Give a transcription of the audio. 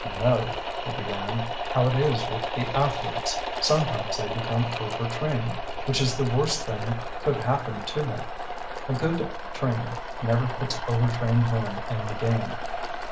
"You know," he began, "how it is with the athletes. Sometimes they become overtrained, which is the worst thing could happen to them. A good trainer never puts overtrained men in the game.